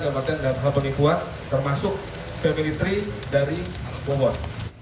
dalam hal penipuan termasuk bpn tiga dari wawan